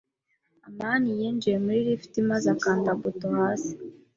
amani yinjiye muri lift maze akanda buto hasi.